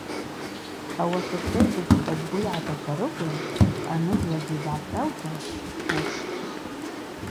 Ауаса сырдуштӏ- хӏва бгвы йгӏаташварыкӏвын, бъанызлакӏгьи бгӏасаута бсфуштӏ.